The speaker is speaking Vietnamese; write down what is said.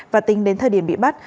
và tính đến thời điểm bị bắt